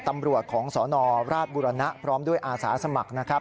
ตำรวจของสนราชบุรณะพร้อมด้วยอาสาสมัครนะครับ